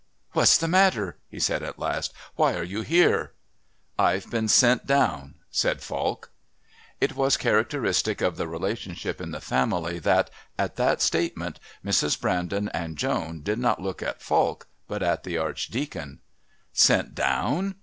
"What's the matter?" he said at last. "Why are you here?" "I've been sent down," said Falk. It was characteristic of the relationship in that family that, at that statement, Mrs. Brandon and Joan did not look at Falk but at the Archdeacon. "Sent down!"